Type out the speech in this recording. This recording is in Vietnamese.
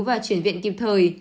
và chuyển viện kịp thời